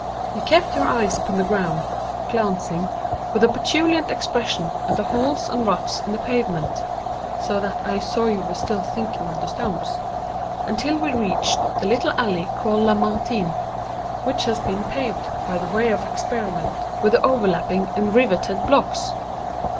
"You kept your eyes upon the ground—glancing, with a petulant expression, at the holes and ruts in the pavement, (so that I saw you were still thinking of the stones,) until we reached the little alley called Lamartine, which has been paved, by way of experiment, with the overlapping and riveted blocks.